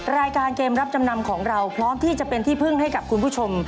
รายการเกมรับจำนำของเราพร้อมที่จะเป็นที่พึ่งให้กับคุณผู้ชม